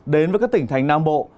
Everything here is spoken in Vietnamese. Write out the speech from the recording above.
đến với các tỉnh thành nam bộ